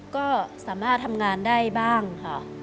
ก็สามารถทำงานได้บ้างค่ะ